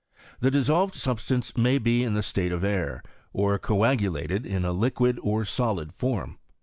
The dissolved substance may be in the state of air, or coagulated in a liquid or solid form.